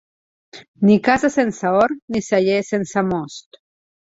Ni casa sense hort ni celler sense most.